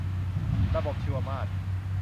ระบบชีวมาตร